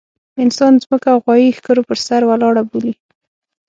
انسان ځمکه غوايي ښکرو پر سر ولاړه بولي.